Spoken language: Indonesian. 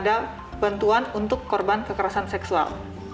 dan juga bantuan untuk korban kekerasan seksual